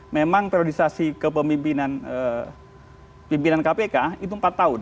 memang periodisasi kepemimpinan pimpinan kpk itu empat tahun